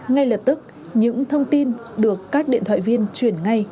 ngay lập tức những thông tin được các điện thoại viên chuyển ngay